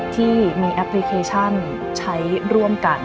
ที่มีแอปพลิเคชันใช้ร่วมกัน